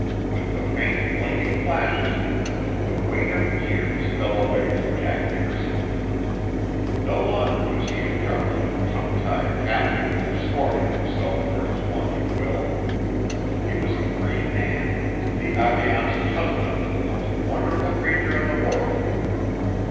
With the faint, blinking flashes, the weight of years fell away from Jack Nickerson. No longer was he a trembling, tongue tied captive, scorning himself for his want of will. He was a free man, the affianced husband of the most wonderful creature in the world.